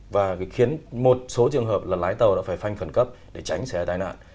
và khiến một số trường hợp là lái tàu đã phải phanh khẩn cấp để tránh xe tai nạn